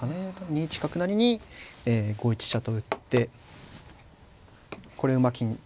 ２一角成に５一飛車と打ってこれ馬金取りですね。